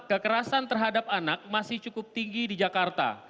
kekerasan terhadap anak masih cukup tinggi di jakarta